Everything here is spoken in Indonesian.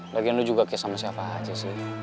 lagian lo juga kayak sama siapa aja sih